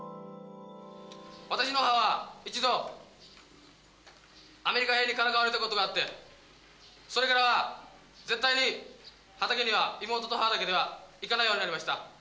私の母は一度、アメリカ兵にからかわれたことがあって、それからは絶対に畑には、妹と母だけでは行かないようになりました。